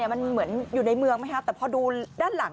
มันเหมือนอยู่ในเมืองไหมครับแต่พอดูด้านหลัง